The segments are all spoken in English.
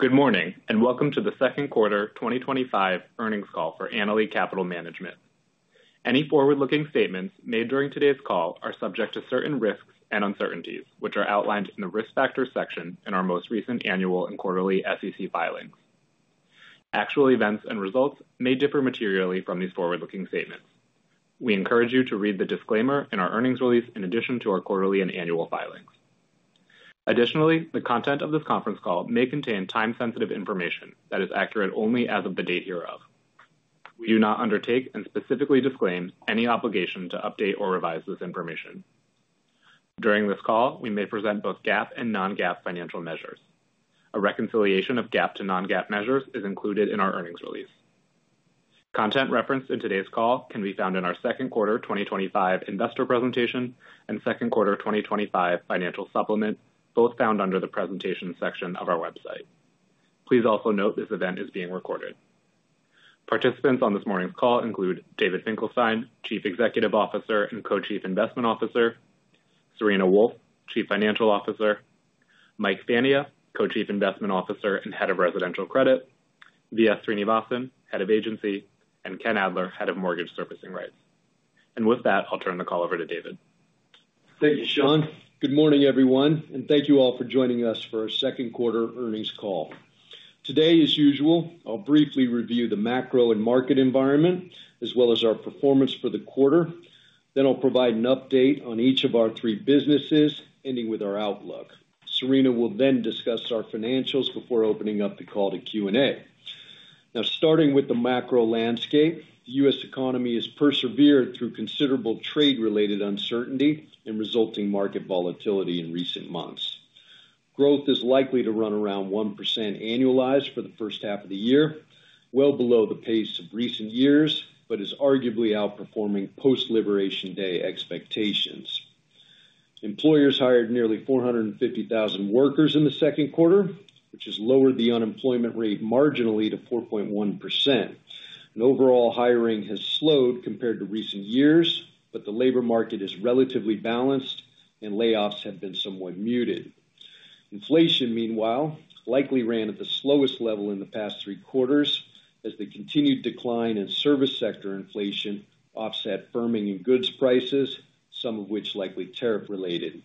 Good morning, and welcome to the second quarter 2025 earnings call for Annaly Capital Management. Any forward-looking statements made during today's call are subject to certain risks and uncertainties, which are outlined in the risk factors section in our most recent annual and quarterly SEC filings. Actual events and results may differ materially from these forward-looking statements. We encourage you to read the disclaimer in our earnings release in addition to our quarterly and annual filings. Additionally, the content of this conference call may contain time-sensitive information that is accurate only as of the date hereof. We do not undertake and specifically disclaim any obligation to update or revise this information. During this call, we may present both GAAP and non-GAAP financial measures. A reconciliation of GAAP to non-GAAP measures is included in our earnings release. Content referenced in today's call can be found in our second quarter 2025 investor presentation and second quarter 2025 financial supplement, both found under the presentation section of our website. Please also note this event is being recorded. Participants on this morning's call include David Finkelstein, Chief Executive Officer and Co-Chief Investment Officer; Serena Wolfe, Chief Financial Officer; Mike Fania, Co-Chief Investment Officer and Head of Residential Credit; V.S. Srinivasan, Head of Agency; and Ken Adler, Head of Mortgage Servicing Rights. With that, I'll turn the call over to David. Thank you, Sean. Good morning, everyone, and thank you all for joining us for our second quarter earnings call. Today, as usual, I'll briefly review the macro and market environment as well as our performance for the quarter. Then I'll provide an update on each of our three businesses, ending with our outlook. Serena will then discuss our financials before opening up the call to Q&A. Now, starting with the macro landscape, the U.S. economy has persevered through considerable trade-related uncertainty and resulting market volatility in recent months. Growth is likely to run around 1% annualized for the first half of the year, well below the pace of recent years, but is arguably outperforming post-liberation day expectations. Employers hired nearly 450,000 workers in the second quarter, which has lowered the unemployment rate marginally to 4.1%. Overall, hiring has slowed compared to recent years, but the labor market is relatively balanced, and layoffs have been somewhat muted. Inflation, meanwhile, likely ran at the slowest level in the past three quarters, as the continued decline in service sector inflation offset firming in goods prices, some of which likely tariff-related.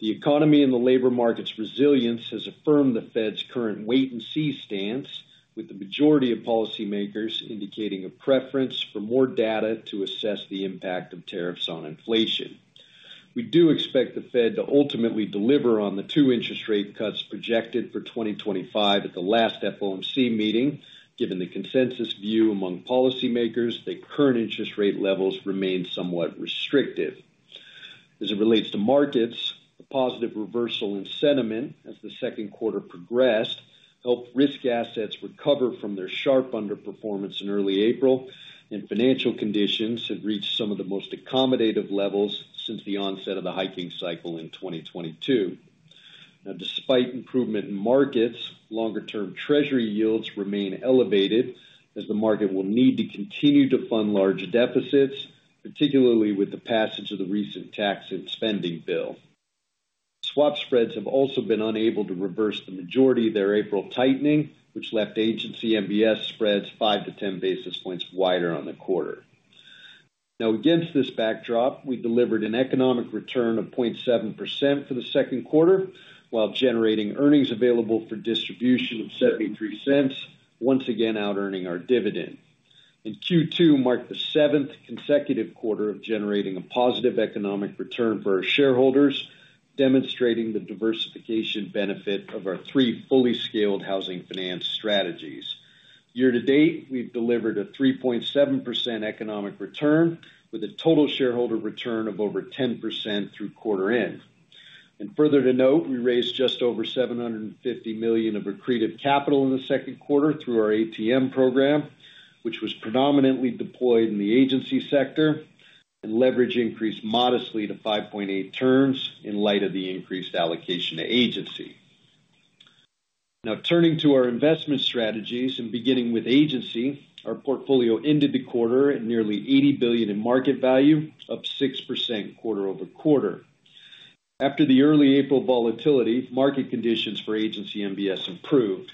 The economy and the labor market's resilience has affirmed the Fed's current wait-and-see stance, with the majority of policymakers indicating a preference for more data to assess the impact of tariffs on inflation. We do expect the Fed to ultimately deliver on the two interest rate cuts projected for 2025 at the last FOMC meeting, given the consensus view among policymakers that current interest rate levels remain somewhat restrictive. As it relates to markets, the positive reversal in sentiment as the second quarter progressed helped risk assets recover from their sharp underperformance in early April, and financial conditions had reached some of the most accommodative levels since the onset of the hiking cycle in 2022. Despite improvement in markets, longer-term Treasury yields remain elevated, as the market will need to continue to fund large deficits, particularly with the passage of the recent tax and spending bill. Swap spreads have also been unable to reverse the majority of their April tightening, which left agency MBS spreads 5 to 10 basis points wider on the quarter. Against this backdrop, we delivered an economic return of 0.7% for the second quarter, while generating earnings available for distribution of $0.73, once again out-earning our dividend. Q2 marked the seventh consecutive quarter of generating a positive economic return for our shareholders, demonstrating the diversification benefit of our three fully scaled housing finance strategies. Year to date, we've delivered a 3.7% economic return, with a total shareholder return of over 10% through quarter end. Further to note, we raised just over $750 million of accretive capital in the second quarter through our ATM program, which was predominantly deployed in the agency sector, and leverage increased modestly to 5.8 terms in light of the increased allocation to agency. Now, turning to our investment strategies and beginning with agency, our portfolio ended the quarter at nearly $80 billion in market value, up 6% quarter-over-quarter. After the early April volatility, market conditions for agency MBS improved.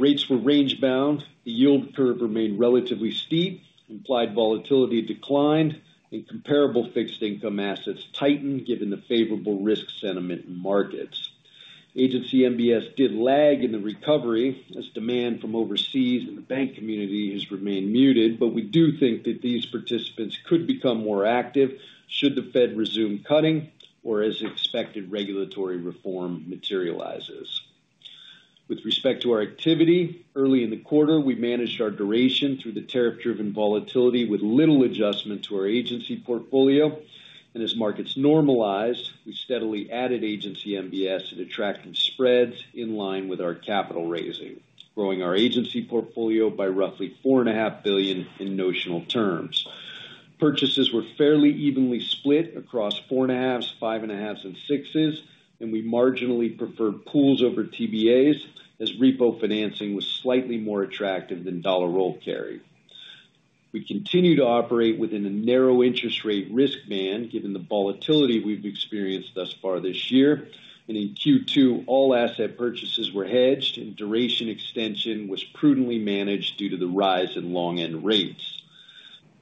Rates were range-bound. The yield curve remained relatively steep. Implied volatility declined, and comparable fixed income assets tightened given the favorable risk sentiment in markets. Agency MBS did lag in the recovery, as demand from overseas and the bank community has remained muted, but we do think that these participants could become more active should the Fed resume cutting or as expected regulatory reform materializes. With respect to our activity, early in the quarter, we managed our duration through the tariff-driven volatility with little adjustment to our agency portfolio. As markets normalized, we steadily added agency MBS and attracted spreads in line with our capital raising, growing our agency portfolio by roughly $4.5 billion in notional terms. Purchases were fairly evenly split across 4.5%, 5.5%, and 6%, and we marginally preferred pools over TBAs, as repo financing was slightly more attractive than dollar roll carry. We continue to operate within a narrow interest rate risk band given the volatility we have experienced thus far this year. In Q2, all asset purchases were hedged, and duration extension was prudently managed due to the rise in long-end rates.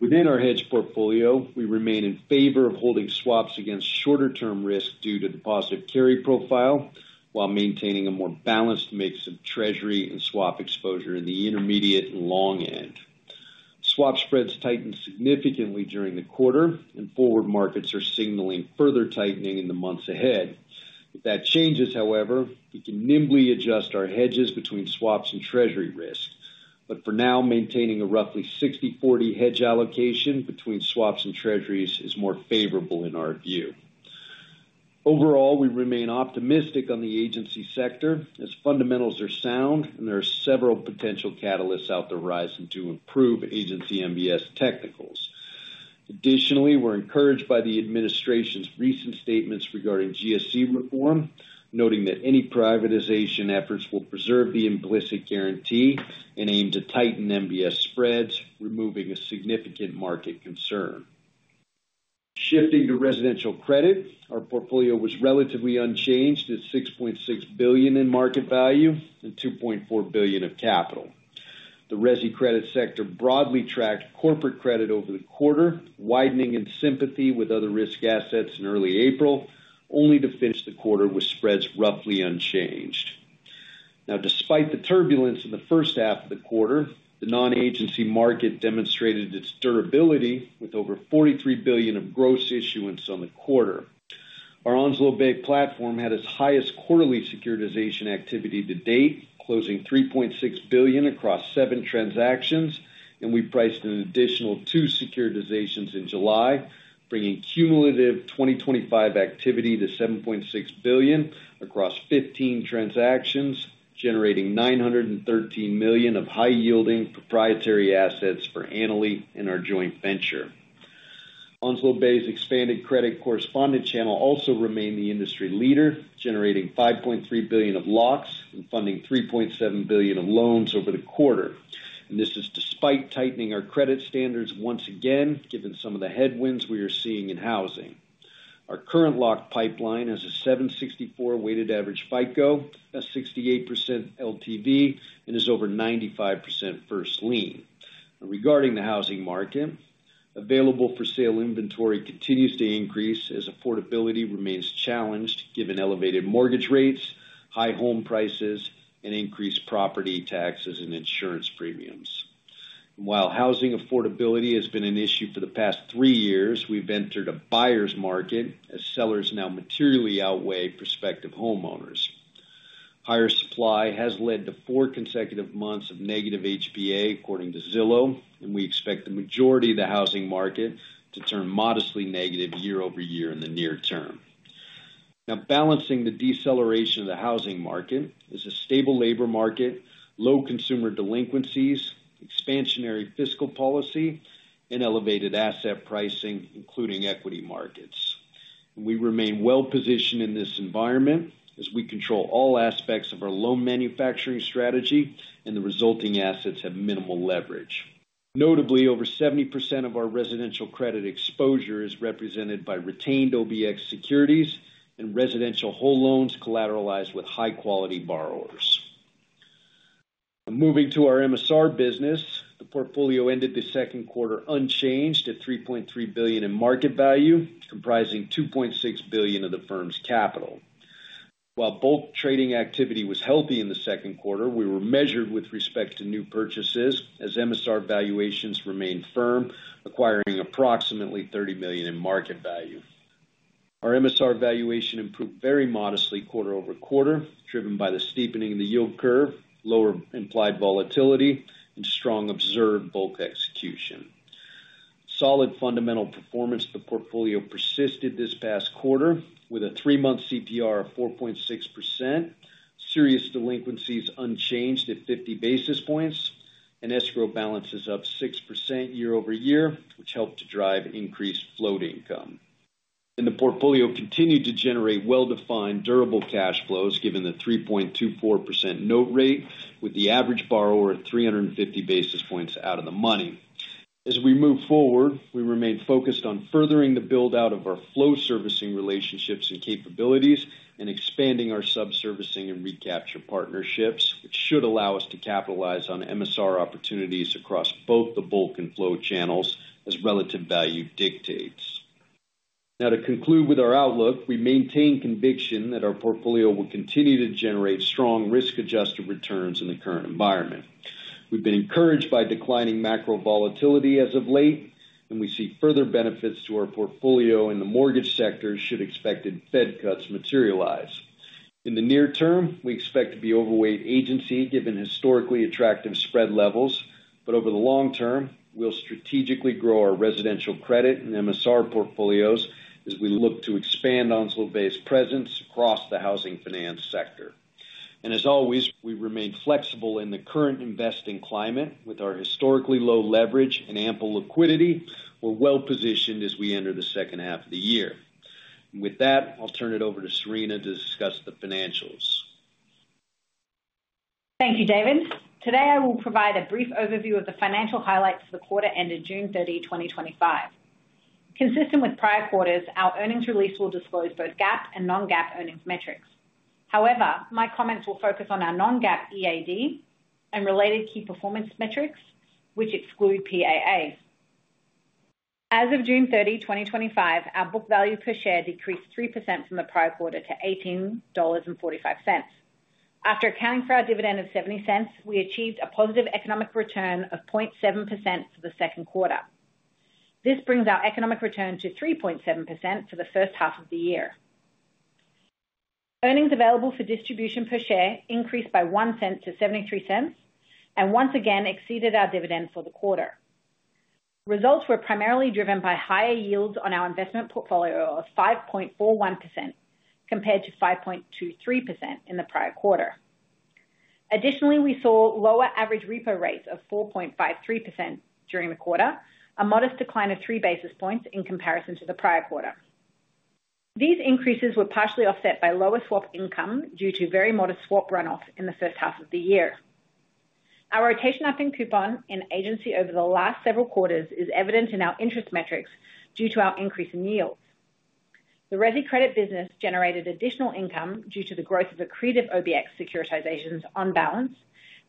Within our hedge portfolio, we remain in favor of holding swaps against shorter-term risk due to the positive carry profile, while maintaining a more balanced mix of Treasury and swap exposure in the intermediate and long end. Swap spreads tightened significantly during the quarter, and forward markets are signaling further tightening in the months ahead. If that changes, however, we can nimbly adjust our hedges between swaps and Treasury risk. For now, maintaining a roughly 60/40 hedge allocation between swaps and Treasuries is more favorable in our view. Overall, we remain optimistic on the agency sector, as fundamentals are sound, and there are several potential catalysts out there rising to improve agency MBS technicals. Additionally, we are encouraged by the administration's recent statements regarding GSE reform, noting that any privatization efforts will preserve the implicit guarantee and aim to tighten MBS spreads, removing a significant market concern. Shifting to residential credit, our portfolio was relatively unchanged at $6.6 billion in market value and $2.4 billion of capital. The RESI credit sector broadly tracked corporate credit over the quarter, widening in sympathy with other risk assets in early April, only to finish the quarter with spreads roughly unchanged. Now, despite the turbulence in the first half of the quarter, the non-agency market demonstrated its durability with over $43 billion of gross issuance on the quarter. Our Onslow Bay platform had its highest quarterly securitization activity to date, closing $3.6 billion across seven transactions, and we priced an additional two securitizations in July, bringing cumulative 2025 activity to $7.6 billion across 15 transactions, generating $913 million of high-yielding proprietary assets for Annaly and our joint venture. Onslow Bay's expanded credit correspondent channel also remained the industry leader, generating $5.3 billion of locks and funding $3.7 billion of loans over the quarter. This is despite tightening our credit standards once again, given some of the headwinds we are seeing in housing. Our current lock pipeline has a 764-weighted average FICO, a 68% LTV, and is over 95% first lien. Regarding the housing market, available-for-sale inventory continues to increase as affordability remains challenged given elevated mortgage rates, high home prices, and increased property taxes and insurance premiums. While housing affordability has been an issue for the past three years, we've entered a buyer's market as sellers now materially outweigh prospective homeowners. Higher supply has led to four consecutive months of negative HBA, according to Zillow, and we expect the majority of the housing market to turn modestly negative year-over-year in the near term. Now, balancing the deceleration of the housing market is a stable labor market, low consumer delinquencies, expansionary fiscal policy, and elevated asset pricing, including equity markets. We remain well-positioned in this environment as we control all aspects of our loan manufacturing strategy, and the resulting assets have minimal leverage. Notably, over 70% of our residential credit exposure is represented by retained OBX securities and residential whole loans collateralized with high-quality borrowers. Moving to our MSR business, the portfolio ended the second quarter unchanged at $3.3 billion in market value, comprising $2.6 billion of the firm's capital. While bulk trading activity was healthy in the second quarter, we were measured with respect to new purchases as MSR valuations remained firm, acquiring approximately $30 million in market value. Our MSR valuation improved very modestly quarter-over-quarter, driven by the steepening of the yield curve, lower implied volatility, and strong observed bulk execution. Solid fundamental performance, the portfolio persisted this past quarter with a three-month CPR of 4.6%. Serious delinquencies unchanged at 50 basis points, and escrow balances up 6% year-over-year, which helped to drive increased float income. The portfolio continued to generate well-defined, durable cash flows given the 3.24% note rate, with the average borrower at 350 basis points out of the money. As we move forward, we remain focused on furthering the build-out of our flow servicing relationships and capabilities and expanding our sub-servicing and recapture partnerships, which should allow us to capitalize on MSR opportunities across both the bulk and flow channels as relative value dictates. To conclude with our outlook, we maintain conviction that our portfolio will continue to generate strong risk-adjusted returns in the current environment. We've been encouraged by declining macro volatility as of late, and we see further benefits to our portfolio in the mortgage sector should expected Fed cuts materialize. In the near term, we expect to be overweight agency given historically attractive spread levels, but over the long term, we'll strategically grow our residential credit and MSR portfolios as we look to expand Onslow Bay's presence across the housing finance sector. As always, we remain flexible in the current investing climate with our historically low leverage and ample liquidity. We are well-positioned as we enter the second half of the year. With that, I will turn it over to Serena to discuss the financials. Thank you, David. Today, I will provide a brief overview of the financial highlights for the quarter ended June 30, 2025. Consistent with prior quarters, our earnings release will disclose both GAAP and non-GAAP earnings metrics. However, my comments will focus on our non-GAAP EAD and related key performance metrics, which exclude PAAs. As of June 30, 2025, our book value per share decreased 3% from the prior quarter to $18.45. After accounting for our dividend of $0.70, we achieved a positive economic return of 0.7% for the second quarter. This brings our economic return to 3.7% for the first half of the year. Earnings available for distribution per share increased by $0.01 to $0.73 and once again exceeded our dividend for the quarter. Results were primarily driven by higher yields on our investment portfolio of 5.41% compared to 5.23% in the prior quarter. Additionally, we saw lower average repo rates of 4.53% during the quarter, a modest decline of three basis points in comparison to the prior quarter. These increases were partially offset by lower swap income due to very modest swap runoff in the first half of the year. Our rotation up in coupon and agency over the last several quarters is evident in our interest metrics due to our increase in yields. The RESI credit business generated additional income due to the growth of accretive OBX securitizations on balance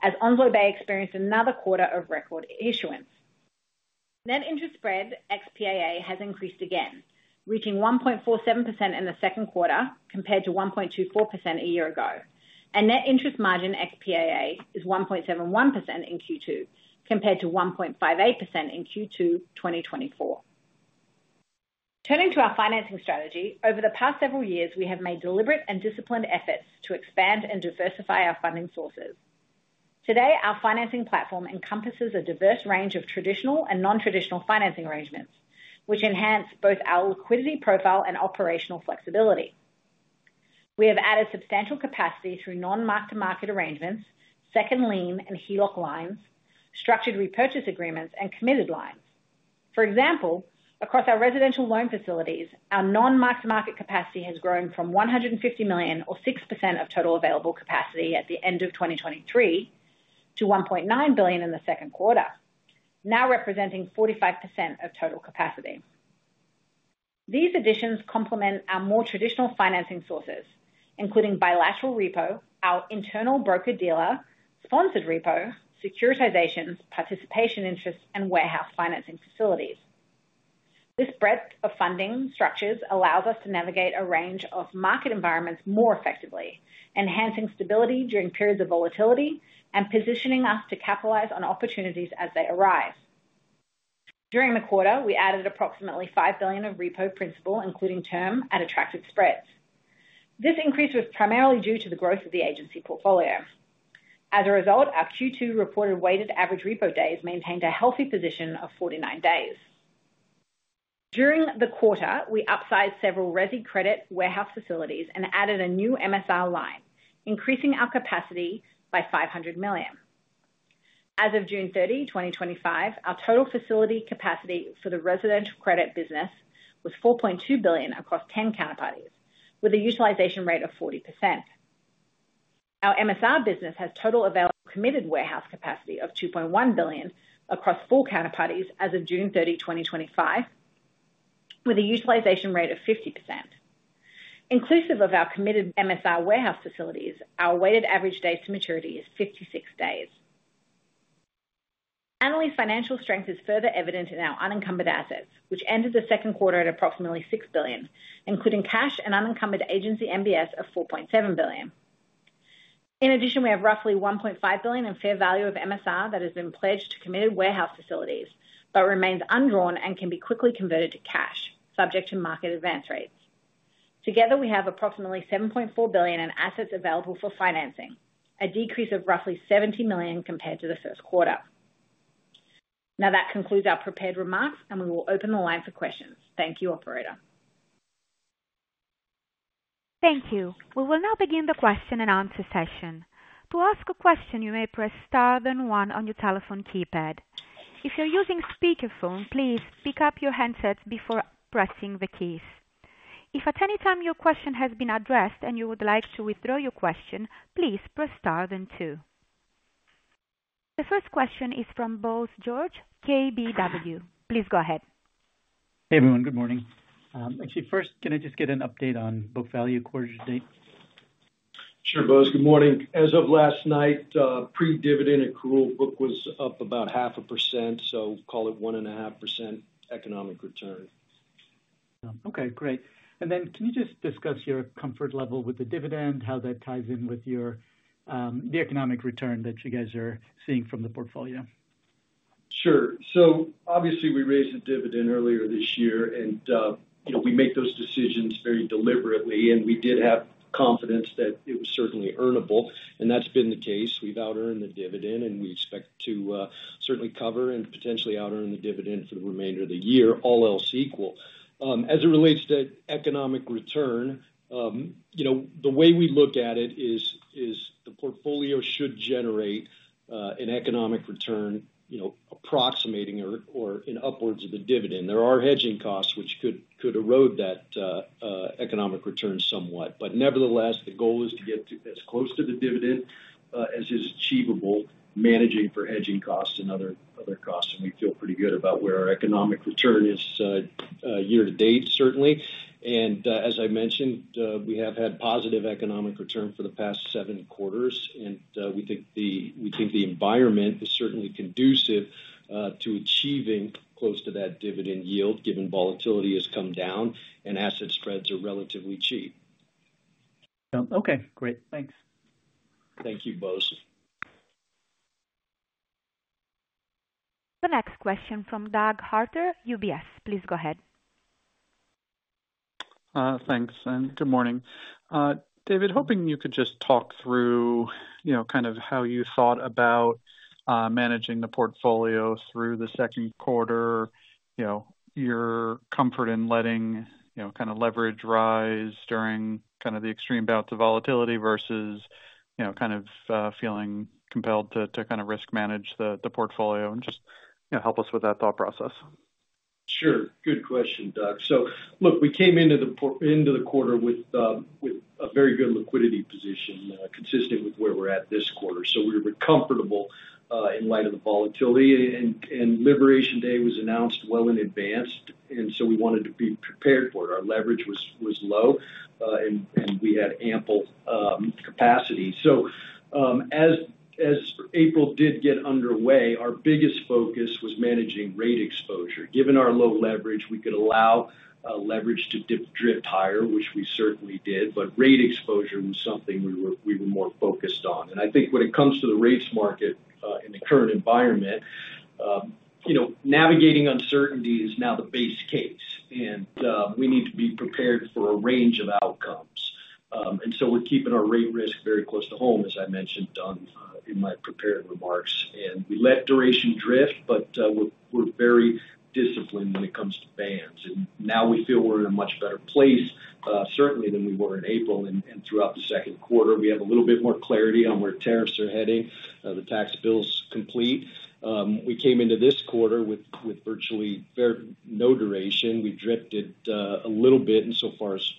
as Onslow Bay experienced another quarter of record issuance. Net interest spread XPAA has increased again, reaching 1.47% in the second quarter compared to 1.24% a year ago. Net interest margin XPAA is 1.71% in Q2 compared to 1.58% in Q2 2024. Turning to our financing strategy, over the past several years, we have made deliberate and disciplined efforts to expand and diversify our funding sources. Today, our financing platform encompasses a diverse range of traditional and non-traditional financing arrangements, which enhance both our liquidity profile and operational flexibility. We have added substantial capacity through non-mark-to-market arrangements, second lien and HELOC lines, structured repurchase agreements, and committed lines. For example, across our residential loan facilities, our non-mark-to-market capacity has grown from $150 million, or 6% of total available capacity at the end of 2023, to $1.9 billion in the second quarter, now representing 45% of total capacity. These additions complement our more traditional financing sources, including bilateral repo, our internal broker-dealer, sponsored repo, securitizations, participation interests, and warehouse financing facilities. This breadth of funding structures allows us to navigate a range of market environments more effectively, enhancing stability during periods of volatility and positioning us to capitalize on opportunities as they arise. During the quarter, we added approximately $5 billion of repo principal, including term, at attractive spreads. This increase was primarily due to the growth of the agency portfolio. As a result, our Q2 reported weighted average repo days maintained a healthy position of 49 days. During the quarter, we upsized several residential credit warehouse facilities and added a new MSR line, increasing our capacity by $500 million. As of June 30, 2025, our total facility capacity for the residential credit business was $4.2 billion across 10 counterparties, with a utilization rate of 40%. Our MSR business has total available committed warehouse capacity of $2.1 billion across four counterparties as of June 30, 2025, with a utilization rate of 50%. Inclusive of our committed MSR warehouse facilities, our weighted average days to maturity is 56 days. Annaly's financial strength is further evident in our unencumbered assets, which ended the second quarter at approximately $6 billion, including cash and unencumbered agency MBS of $4.7 billion. In addition, we have roughly $1.5 billion in fair value of MSR that has been pledged to committed warehouse facilities but remains undrawn and can be quickly converted to cash, subject to market advance rates. Together, we have approximately $7.4 billion in assets available for financing, a decrease of roughly $70 million compared to the first quarter. Now, that concludes our prepared remarks, and we will open the line for questions. Thank you, Operator. Thank you. We will now begin the question and answer session. To ask a question, you may press star then one on your telephone keypad. If you're using speakerphone, please pick up your handsets before pressing the keys. If at any time your question has been addressed and you would like to withdraw your question, please press star then two. The first question is from Bose George, KBW. Please go ahead. Hey, everyone. Good morning. Actually, first, can I just get an update on book value quarter to date? Sure, Bose. Good morning. As of last night, pre-dividend accrual book was up about half a percent, so call it 1.5% economic return. Okay, great. And then can you just discuss your comfort level with the dividend, how that ties in with the economic return that you guys are seeing from the portfolio? Sure. Obviously, we raised a dividend earlier this year, and we make those decisions very deliberately. We did have confidence that it was certainly earnable, and that's been the case. We've out-earned the dividend, and we expect to certainly cover and potentially out-earn the dividend for the remainder of the year, all else equal. As it relates to economic return, the way we look at it is the portfolio should generate an economic return approximating or in upwards of the dividend. There are hedging costs which could erode that economic return somewhat. Nevertheless, the goal is to get as close to the dividend as is achievable, managing for hedging costs and other costs. We feel pretty good about where our economic return is year to date, certainly. As I mentioned, we have had positive economic return for the past seven quarters, and we think the environment is certainly conducive to achieving close to that dividend yield, given volatility has come down and asset spreads are relatively cheap. Okay, great. Thanks. Thank you, Bose. The next question from Doug Harter, UBS. Please go ahead. Thanks. Good morning. David, hoping you could just talk through how you thought about managing the portfolio through the second quarter, your comfort in letting leverage rise during the extreme bouts of volatility versus feeling compelled to risk manage the portfolio, and just help us with that thought process. Sure. Good question, Doug. Look, we came into the quarter with a very good liquidity position consistent with where we are at this quarter, so we were comfortable in light of the volatility, and Liberation Day was announced well in advance. We wanted to be prepared for it. Our leverage was low, and we had ample capacity. As April got underway, our biggest focus was managing rate exposure. Given our low leverage, we could allow leverage to drift higher, which we certainly did, but rate exposure was something we were more focused on. I think when it comes to the rates market in the current environment, navigating uncertainty is now the base case, and we need to be prepared for a range of outcomes. We are keeping our rate risk very close to home, as I mentioned in my prepared remarks. We let duration drift, but we are very disciplined when it comes to bands. Now we feel we are in a much better place, certainly, than we were in April. Throughout the second quarter, we have a little bit more clarity on where tariffs are heading, the tax bill is complete. We came into this quarter with virtually no duration. We have drifted a little bit in so far as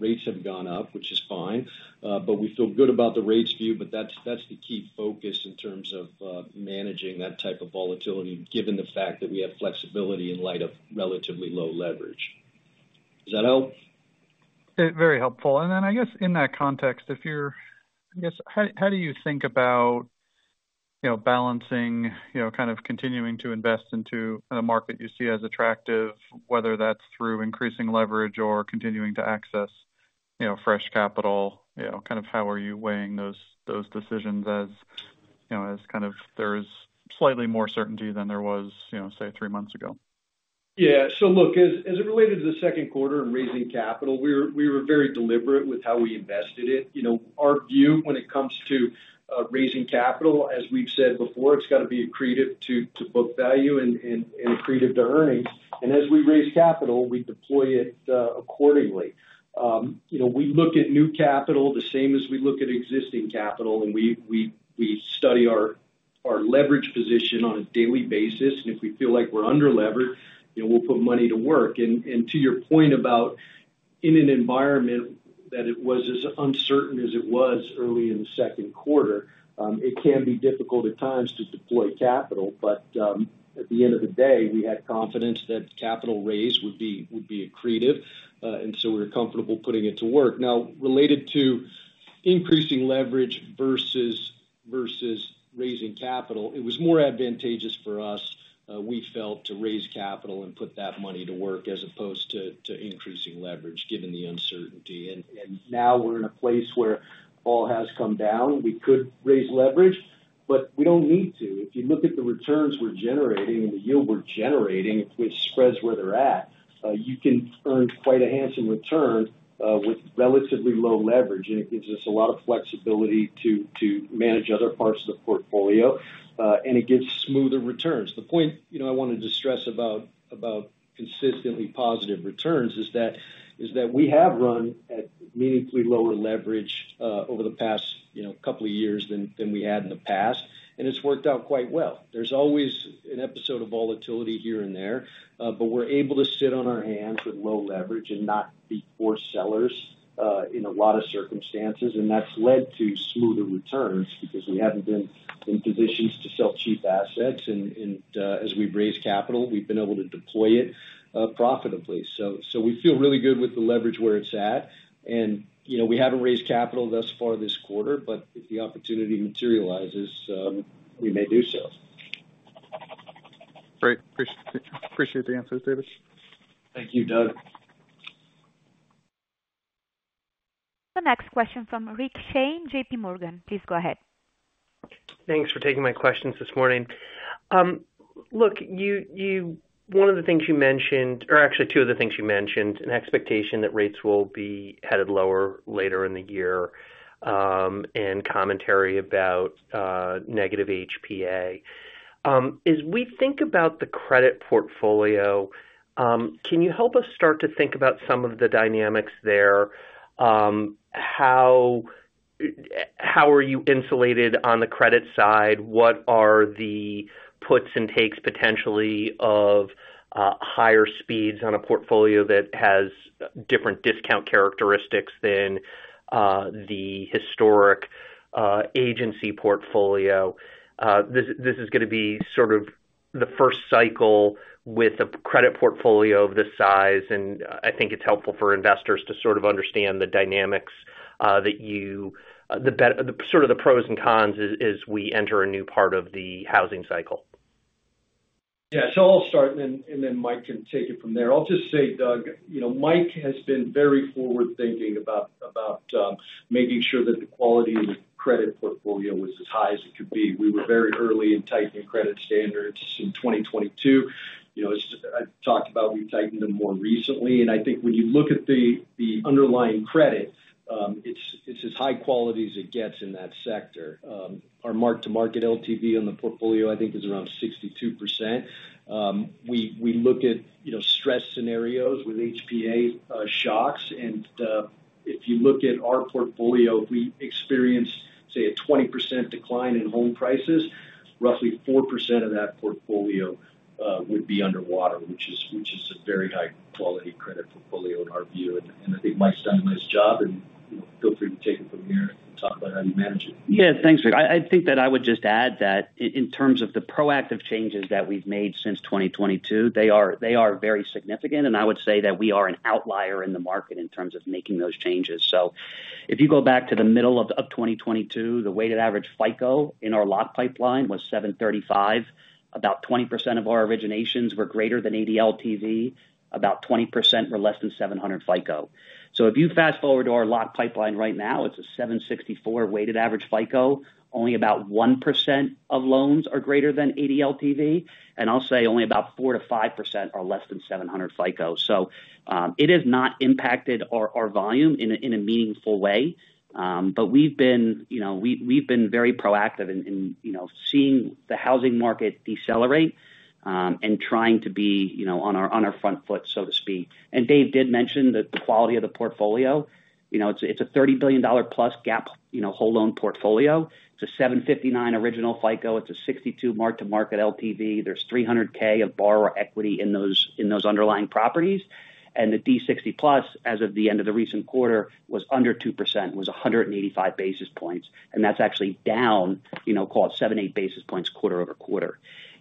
rates have gone up, which is fine. We feel good about the rates view, but that is the key focus in terms of managing that type of volatility, given the fact that we have flexibility in light of relatively low leverage. Does that help? Very helpful. In that context, how do you think about balancing continuing to invest into the market you see as attractive, whether that is through increasing leverage or continuing to access fresh capital? How are you weighing those decisions as there is slightly more certainty than there was, say, three months ago? Yeah. As it related to the second quarter and raising capital, we were very deliberate with how we invested it. Our view when it comes to raising capital, as we have said before, is it has to be accretive to book value and accretive to earnings. As we raise capital, we deploy it accordingly. We look at new capital the same as we look at existing capital, and we study our leverage position on a daily basis. If we feel like we're under-leveraged, we'll put money to work. To your point about, in an environment that was as uncertain as it was early in the second quarter, it can be difficult at times to deploy capital. At the end of the day, we had confidence that capital raise would be accretive, and we were comfortable putting it to work. Now, related to increasing leverage versus raising capital, it was more advantageous for us, we felt, to raise capital and put that money to work as opposed to increasing leverage, given the uncertainty. Now we're in a place where all has come down. We could raise leverage, but we don't need to. If you look at the returns we're generating and the yield we're generating, with spreads where they're at, you can earn quite a handsome return with relatively low leverage. It gives us a lot of flexibility to manage other parts of the portfolio, and it gives smoother returns. The point I wanted to stress about consistently positive returns is that we have run at meaningfully lower leverage over the past couple of years than we had in the past, and it's worked out quite well. There's always an episode of volatility here and there, but we're able to sit on our hands with low leverage and not be force sellers in a lot of circumstances. That's led to smoother returns because we haven't been in positions to sell cheap assets. As we've raised capital, we've been able to deploy it profitably. We feel really good with the leverage where it's at. We haven't raised capital thus far this quarter, but if the opportunity materializes, we may do so. Great. Appreciate the answers, David. Thank you, Doug. The next question from Rick Shane, JP Morgan. Please go ahead. Thanks for taking my questions this morning. Look, one of the things you mentioned, or actually two of the things you mentioned, an expectation that rates will be headed lower later in the year, and commentary about negative HPA. As we think about the credit portfolio, can you help us start to think about some of the dynamics there? How are you insulated on the credit side? What are the puts and takes potentially of higher speeds on a portfolio that has different discount characteristics than the historic Agency portfolio? This is going to be sort of the first cycle with a credit portfolio of this size, and I think it's helpful for investors to sort of understand the dynamics, sort of the pros and cons as we enter a new part of the housing cycle. Yeah. I'll start, and then Mike can take it from there. I'll just say, Doug, Mike has been very forward-thinking about. Making sure that the quality of the credit portfolio was as high as it could be. We were very early in tightening credit standards in 2022. As I talked about, we tightened them more recently. I think when you look at the underlying credit, it's as high quality as it gets in that sector. Our mark-to-market LTV on the portfolio, I think, is around 62%. We look at stress scenarios with HPA shocks. If you look at our portfolio, if we experience, say, a 20% decline in home prices, roughly 4% of that portfolio would be underwater, which is a very high-quality credit portfolio in our view. I think Mike's done a nice job, and feel free to take it from here and talk about how you manage it. Yeah, thanks. Rick, I think that I would just add that in terms of the proactive changes that we've made since 2022, they are very significant. I would say that we are an outlier in the market in terms of making those changes. If you go back to the middle of 2022, the weighted average FICO in our lock pipeline was 735. About 20% of our originations were greater than 80 LTV. About 20% were less than 700 FICO. If you fast forward to our lock pipeline right now, it's a 764 weighted average FICO. Only about 1% of loans are greater than 80 LTV. I'll say only about 4%-5% are less than 700 FICO. It has not impacted our volume in a meaningful way. We've been very proactive in seeing the housing market decelerate and trying to be on our front foot, so to speak. Dave did mention the quality of the portfolio. It's a $30 billion-plus gap whole loan portfolio. It's a 759 original FICO. It's a 62 mark-to-market LTV. There's $300,000 of borrower equity in those underlying properties. The D60+, as of the end of the recent quarter, was under 2%, was 185 basis points. That's actually down, call it seven, eight basis points quarter-over-quarter.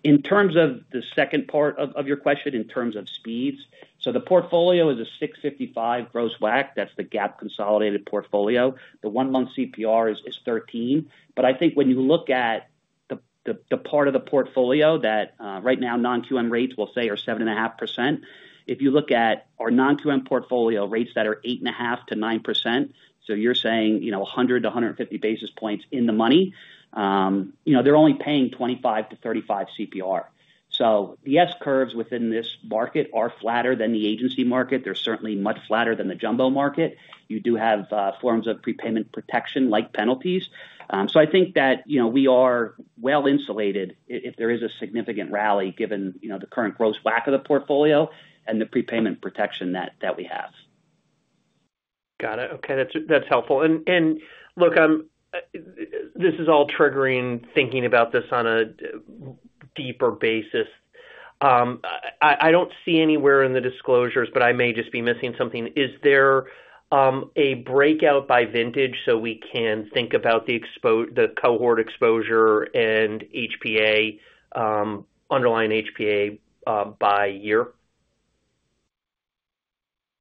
In terms of the second part of your question, in terms of speeds, the portfolio is a 6.55 gross WACC. That's the gap consolidated portfolio. The one-month CPR is 13. I think when you look at the part of the portfolio that right now non-QM rates will say are 7.5%, if you look at our non-QM portfolio rates that are 8.5%-9%, you're saying 100-150 basis points in the money. They're only paying 25-35 CPR. The S curves within this market are flatter than the agency market. They're certainly much flatter than the jumbo market. You do have forms of prepayment protection like penalties. I think that we are well insulated if there is a significant rally given the current gross WACC of the portfolio and the prepayment protection that we have. Got it. Okay. That's helpful. Look, this is all triggering thinking about this on a deeper basis. I do not see anywhere in the disclosures, but I may just be missing something. Is there a breakout by vintage so we can think about the cohort exposure and underlying HPA by year?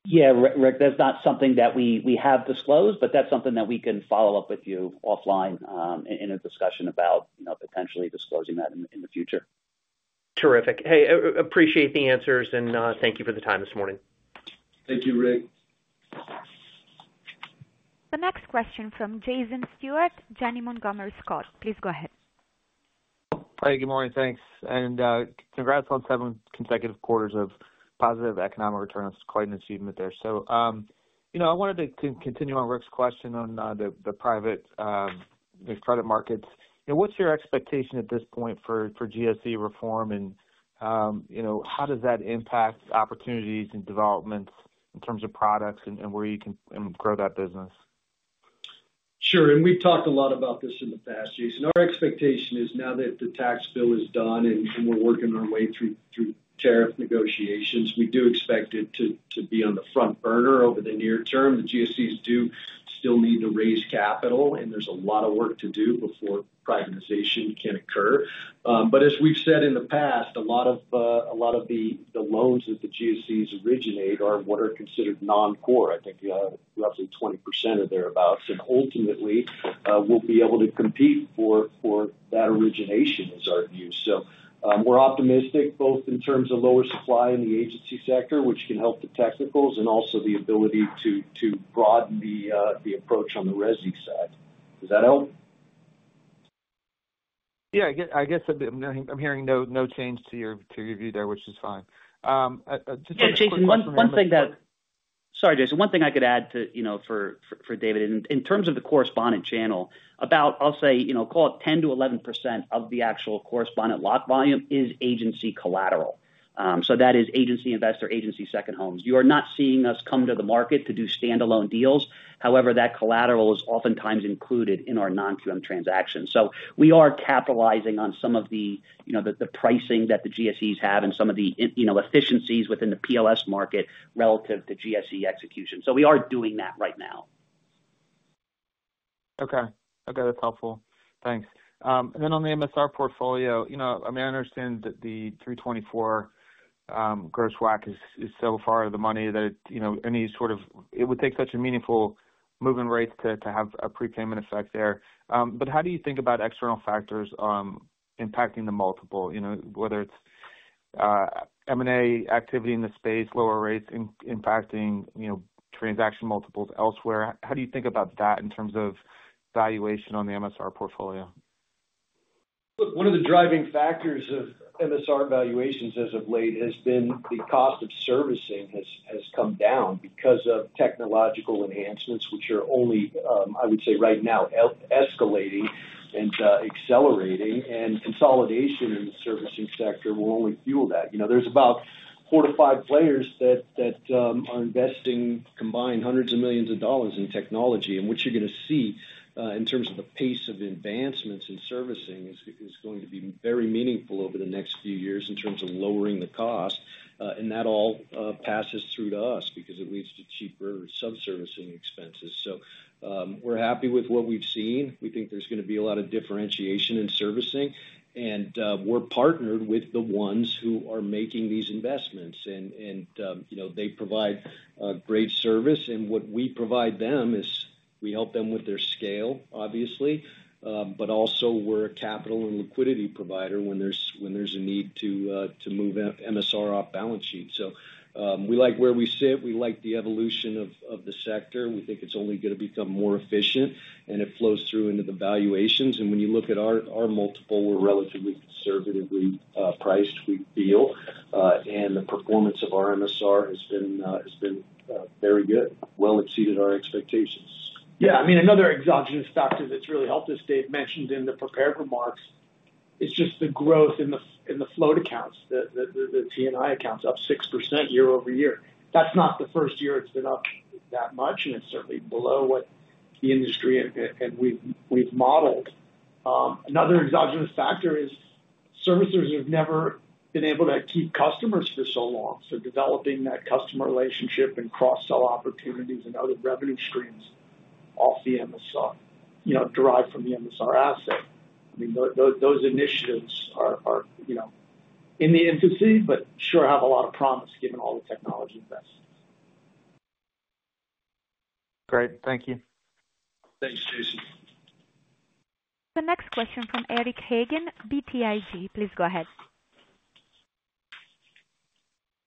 Yeah, Rick, that's not something that we have disclosed, but that's something that we can follow up with you offline in a discussion about potentially disclosing that in the future. Terrific. Hey, appreciate the answers, and thank you for the time this morning. Thank you, Rick. The next question from Jason Stewart, Janney Montgomery Scott. Please go ahead. Hi. Good morning. Thanks, and congrats on seven consecutive quarters of positive economic returns. Quite an achievement there. I wanted to continue on Rick's question on the private credit markets. What's your expectation at this point for GSE reform, and how does that impact opportunities and developments in terms of products and where you can grow that business? Sure. We have talked a lot about this in the past, Jason. Our expectation is now that the tax bill is done and we are working our way through tariff negotiations, we do expect it to be on the front burner over the near term. The GSEs do still need to raise capital, and there is a lot of work to do before privatization can occur. As we have said in the past, a lot of the loans that the GSEs originate are what are considered non-core. I think roughly 20% or thereabouts. Ultimately, we will be able to compete for that origination, is our view. We are optimistic both in terms of lower supply in the agency sector, which can help the technicals, and also the ability to broaden the approach on the resi side. Does that help? Yeah. I guess I am hearing no change to your view there, which is fine. Just. Jason, one thing that. Sorry, Jason. One thing I could add for David in terms of the correspondent channel, about, I will say, call it 10%-11% of the actual correspondent lock volume is agency collateral. That is agency investor, agency second homes. You are not seeing us come to the market to do standalone deals. However, that collateral is oftentimes included in our non-QM transactions. We are capitalizing on some of the pricing that the GSEs have and some of the efficiencies within the PLS market relative to GSE execution. We are doing that right now. Okay. Okay. That's helpful. Thanks. Then on the MSR portfolio, I mean, I understand that the 3.24% gross WACC is so far out of the money that any sort of—it would take such a meaningful move in rate to have a prepayment effect there. How do you think about external factors impacting the multiple, whether it is M&A activity in the space, lower rates impacting transaction multiples elsewhere? How do you think about that in terms of valuation on the MSR portfolio? Look, one of the driving factors of MSR valuations as of late has been the cost of servicing has come down because of technological enhancements, which are only, I would say, right now escalating and accelerating. Consolidation in the servicing sector will only fuel that. There are about four to five players that are investing combined hundreds of millions of dollars in technology. What you are going to see in terms of the pace of advancements in servicing is going to be very meaningful over the next few years in terms of lowering the cost. That all passes through to us because it leads to cheaper sub-servicing expenses. We are happy with what we have seen. We think there is going to be a lot of differentiation in servicing. We are partnered with the ones who are making these investments. They provide great service. What we provide them is we help them with their scale, obviously. Also, we are a capital and liquidity provider when there is a need to move MSR off balance sheet. We like where we sit. We like the evolution of the sector. We think it is only going to become more efficient, and it flows through into the valuations. When you look at our multiple, we are relatively conservatively priced, we feel. The performance of our MSR has been very good, well exceeded our expectations. Yeah. I mean, another exogenous factor that has really helped us, Dave mentioned in the prepared remarks, is just the growth in the float accounts, the T&I accounts, up 6% year-over-year. That is not the first year it has been up that much, and it is certainly below what the industry and we have modeled. Another exogenous factor is servicers have never been able to keep customers for so long. Developing that customer relationship and cross-sell opportunities and other revenue streams off the MSR, derived from the MSR asset. I mean, those initiatives are in the infancy but sure have a lot of promise given all the technology investments. Great. Thank you. Thanks, Jason. The next question from Eric Hagen, BTIG. Please go ahead.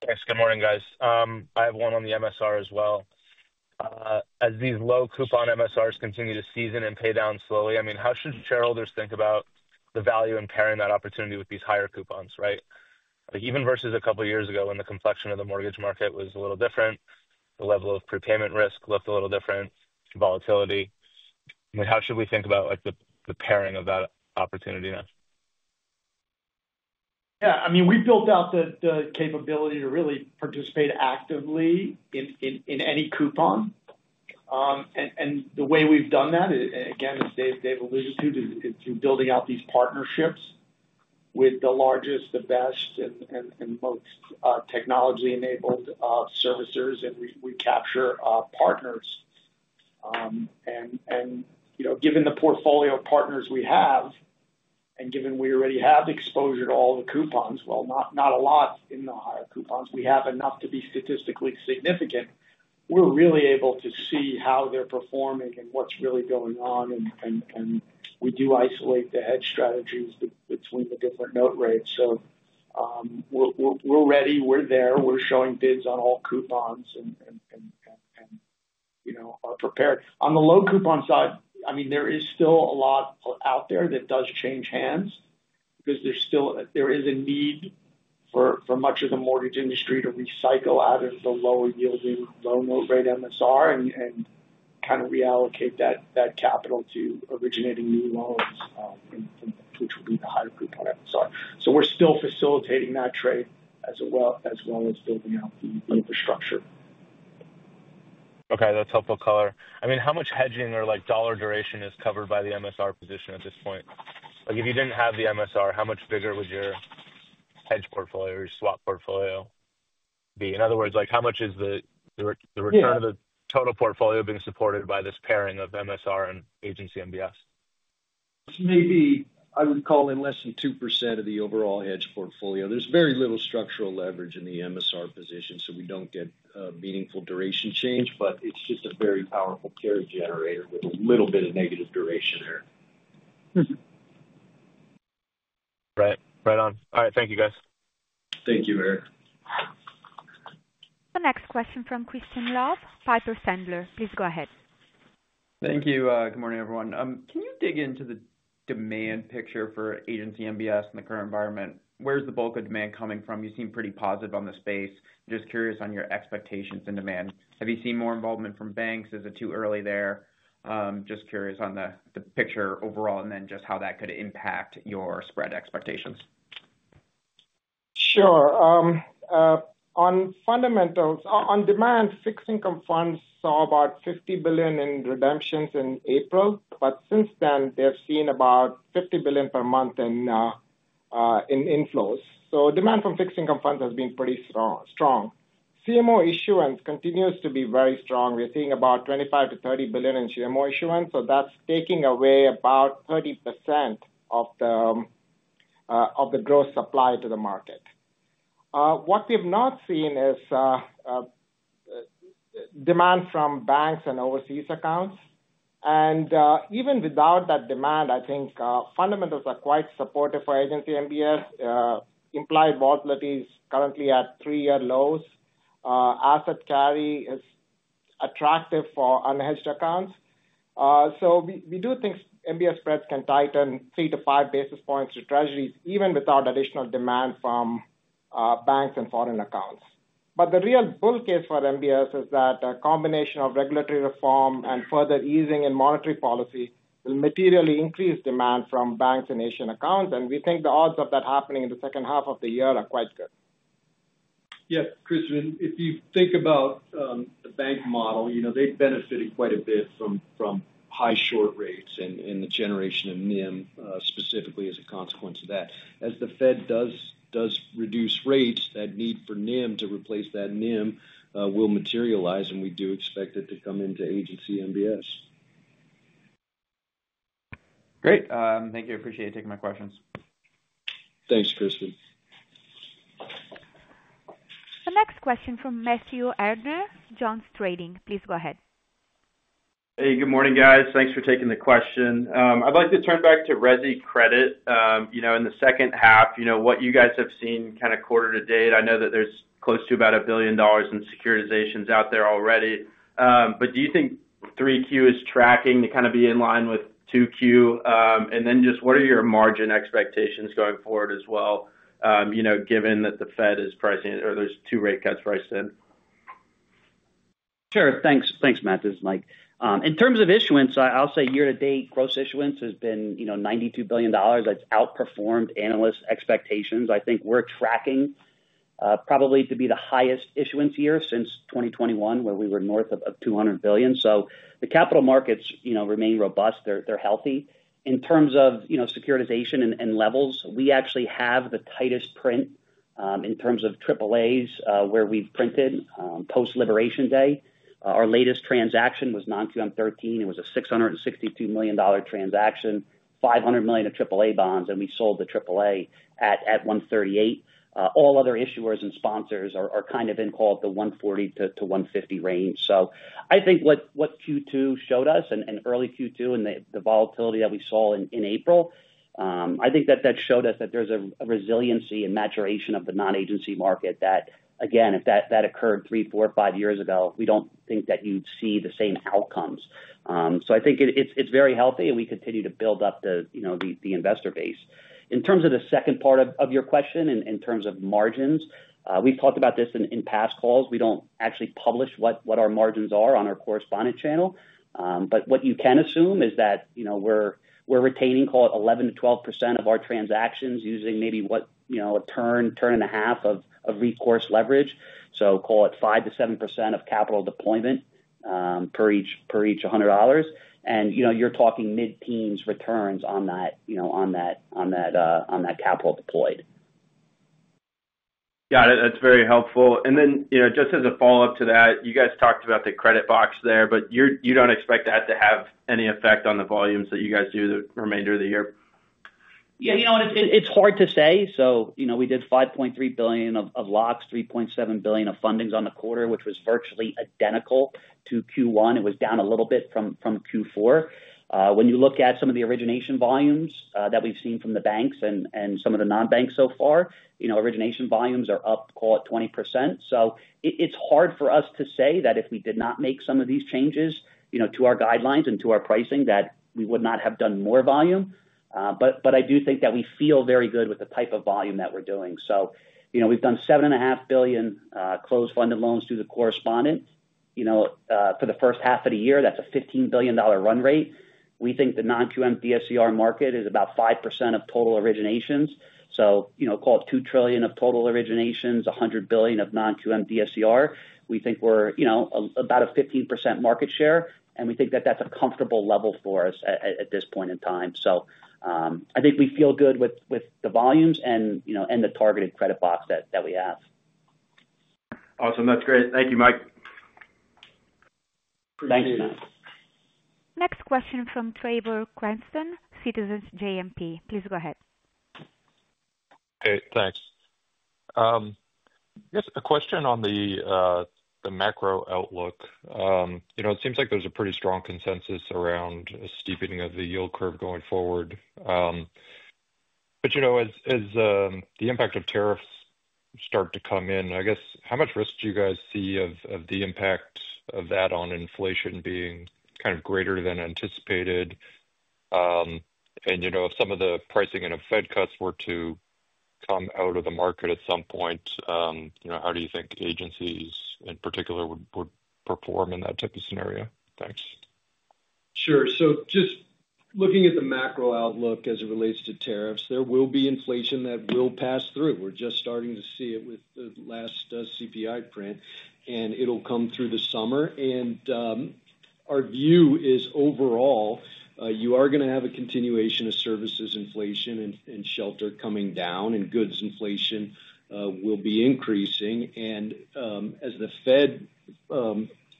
Thanks. Good morning, guys. I have one on the MSR as well. As these low-coupon MSRs continue to season and pay down slowly, I mean, how should shareholders think about the value in pairing that opportunity with these higher coupons, right? Even versus a couple of years ago when the complexion of the mortgage market was a little different, the level of prepayment risk looked a little different, volatility. I mean, how should we think about the pairing of that opportunity now? Yeah. I mean, we built out the capability to really participate actively in any coupon. The way we have done that, again, as Dave alluded to, is through building out these partnerships with the largest, the best, and most technology-enabled servicers. We capture partners. Given the portfolio partners we have, and given we already have exposure to all the coupons—well, not a lot in the higher coupons—we have enough to be statistically significant, we're really able to see how they're performing and what's really going on. We do isolate the hedge strategies between the different note rates. We are ready. We are there. We are showing bids on all coupons and are prepared. On the low-coupon side, I mean, there is still a lot out there that does change hands because there is a need for much of the mortgage industry to recycle out of the lower-yielding low-note rate MSR and kind of reallocate that capital to originating new loans, which would be the higher-coupon MSR. We are still facilitating that trade as well as building out the infrastructure. Okay. That's helpful, color. I mean, how much hedging or dollar duration is covered by the MSR position at this point? If you did not have the MSR, how much bigger would your hedge portfolio or your swap portfolio be? In other words, how much is the return of the total portfolio being supported by this pairing of MSR and agency MBS? Maybe I would call it less than 2% of the overall hedge portfolio. There is very little structural leverage in the MSR position, so we do not get meaningful duration change, but it is just a very powerful carry generator with a little bit of negative duration there. Right. Right on. All right. Thank you, guys. Thank you, Eric. The next question from Crispin Love, Piper Sandler. Please go ahead. Thank you. Good morning, everyone. Can you dig into the demand picture for agency MBS in the current environment? Where is the bulk of demand coming from? You seem pretty positive on the space. Just curious on your expectations and demand. Have you seen more involvement from banks? Is it too early there? Just curious on the picture overall and then just how that could impact your spread expectations. Sure. On fundamentals, on demand, fixed income funds saw about $50 billion in redemptions in April. Since then, they have seen about $50 billion per month in inflows. Demand from fixed income funds has been pretty strong. CMO issuance continues to be very strong. We are seeing about $25 billion-$30 billion in CMO issuance. That is taking away about 30% of the gross supply to the market. What we have not seen is demand from banks and overseas accounts. Even without that demand, I think fundamentals are quite supportive for agency MBS. Implied volatility is currently at three-year lows. Asset carry is attractive for unhedged accounts. We do think MBS spreads can tighten 3 basis points-5 basis points to treasuries, even without additional demand from banks and foreign accounts. The real bulk case for MBS is that a combination of regulatory reform and further easing in monetary policy will materially increase demand from banks and Asian accounts. We think the odds of that happening in the second half of the year are quite good. Yeah. Crispin, if you think about the bank model, they've benefited quite a bit from high short rates and the generation of NIM specifically as a consequence of that. As the Fed does reduce rates, that need for NIM to replace that NIM will materialize, and we do expect it to come into agency MBS. Great. Thank you. I appreciate you taking my questions. Thanks, Crispin. The next question from Matthew Erdner, Jones Trading. Please go ahead. Hey, good morning, guys. Thanks for taking the question. I'd like to turn back to RESI Credit. In the second half, what you guys have seen kind of quarter to date, I know that there's close to about $1 billion in securitizations out there already. Do you think 3Q is tracking to kind of be in line with 2Q? And then just what are your margin expectations going forward as well, given that the Fed is pricing it or there's two rate cuts priced in? Sure. Thanks, Matt. This is Mike. In terms of issuance, I'll say year-to-date gross issuance has been $92 billion. It's outperformed analyst expectations. I think we're tracking probably to be the highest issuance year since 2021, where we were north of $200 billion. The capital markets remain robust. They're healthy. In terms of securitization and levels, we actually have the tightest print in terms of AAAs where we've printed post-liberation day. Our latest transaction was non-QM13. It was a $662 million transaction, $500 million of AAA bonds, and we sold the AAA at 138. All other issuers and sponsors are kind of in, call it the 140-150 range. I think what Q2 showed us and early Q2 and the volatility that we saw in April, I think that that showed us that there's a resiliency and maturation of the non-agency market that, again, if that occurred three, four, or five years ago, we don't think that you'd see the same outcomes. I think it's very healthy, and we continue to build up the investor base. In terms of the second part of your question and in terms of margins, we've talked about this in past calls. We don't actually publish what our margins are on our correspondent channel. What you can assume is that we're retaining, call it 11%-12% of our transactions using maybe what, a turn, turn and a half of recourse leverage. Call it 5%-7% of capital deployment per each $100. You're talking mid-teens returns on that capital deployed. Yeah. That's very helpful. And then just as a follow-up to that, you guys talked about the credit box there, but you don't expect that to have any effect on the volumes that you guys do the remainder of the year? Yeah. It's hard to say. We did $5.3 billion of locks, $3.7 billion of fundings on the quarter, which was virtually identical to Q1. It was down a little bit from Q4. When you look at some of the origination volumes that we've seen from the banks and some of the non-banks so far, origination volumes are up, call it 20%. It's hard for us to say that if we did not make some of these changes to our guidelines and to our pricing, that we would not have done more volume. I do think that we feel very good with the type of volume that we're doing. We've done $7.5 billion closed-funded loans through the correspondent. For the first half of the year, that's a $15 billion run rate. We think the non-QM DSCR market is about 5% of total originations. Call it $2 trillion of total originations, $100 billion of non-QM DSCR. We think we're about a 15% market share, and we think that that's a comfortable level for us at this point in time. I think we feel good with the volumes and the targeted credit box that we have. Awesome. That's great. Thank you, Mike. Thanks, Matt. Next question from Trevor Cranston, Citizens JMP. Please go ahead. Hey, thanks. Just a question on the macro outlook. It seems like there's a pretty strong consensus around a steepening of the yield curve going forward. As the impact of tariffs start to come in, I guess, how much risk do you guys see of the impact of that on inflation being kind of greater than anticipated? If some of the pricing and Fed cuts were to come out of the market at some point, how do you think agencies in particular would perform in that type of scenario? Thanks. Sure. Just looking at the macro outlook as it relates to tariffs, there will be inflation that will pass through. We're just starting to see it with the last CPI print, and it'll come through the summer. Our view is overall you are going to have a continuation of services inflation and shelter coming down, and goods inflation will be increasing. As the Fed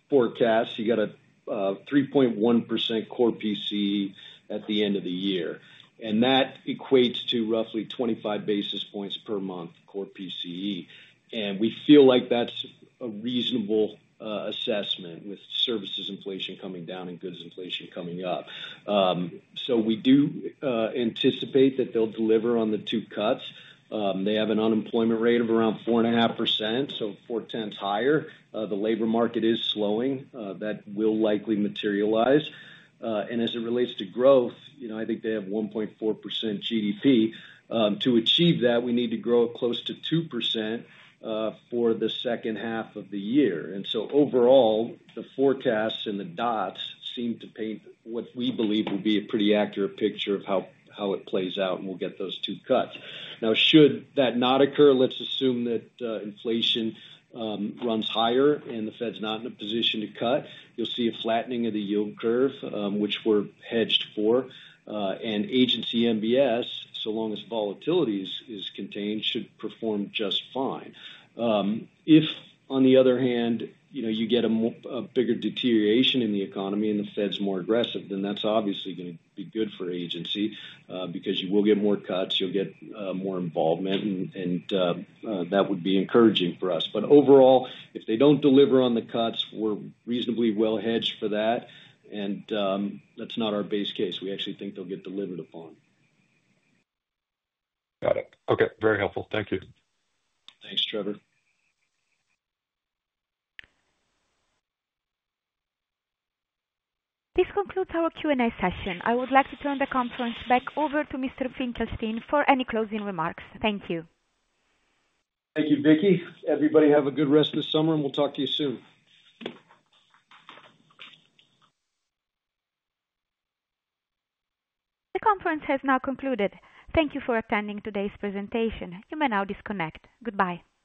forecasts, you got a 3.1% core PCE at the end of the year. That equates to roughly 25 basis points per month core PCE. We feel like that's a reasonable assessment with services inflation coming down and goods inflation coming up. We do anticipate that they'll deliver on the two cuts. They have an unemployment rate of around 4.5%, so four-tenths higher. The labor market is slowing. That will likely materialize. As it relates to growth, I think they have 1.4% GDP. To achieve that, we need to grow close to 2% for the second half of the year. Overall, the forecasts and the dots seem to paint what we believe will be a pretty accurate picture of how it plays out, and we'll get those two cuts. Now, should that not occur, let's assume that inflation runs higher and the Fed's not in a position to cut, you'll see a flattening of the yield curve, which we're hedged for. And agency MBS, so long as volatility is contained, should perform just fine. If, on the other hand, you get a bigger deterioration in the economy and the Fed's more aggressive, then that's obviously going to be good for agency because you will get more cuts, you'll get more involvement, and that would be encouraging for us. Overall, if they don't deliver on the cuts, we're reasonably well hedged for that. That's not our base case. We actually think they'll get delivered upon. Got it. Okay. Very helpful. Thank you. Thanks, Trevor. This concludes our Q&A session. I would like to turn the conference back over to Mr. Finkelstein for any closing remarks. Thank you. Thank you, Vicky. Everybody have a good rest of the summer, and we'll talk to you soon. The conference has now concluded. Thank you for attending today's presentation. You may now disconnect. Goodbye.